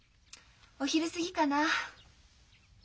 お昼過ぎかな。